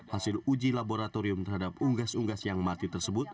hasil uji laboratorium terhadap unggas unggas yang mati tersebut